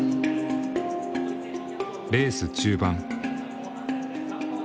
レース中盤。